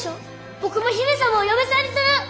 僕も姫様をお嫁さんにする！